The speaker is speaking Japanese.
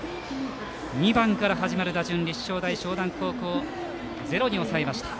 ２番から始まる打順で立正大淞南高校ゼロに抑えました。